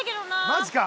マジか。